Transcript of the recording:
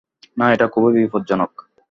না, এটা খুবই বিপজ্জনক।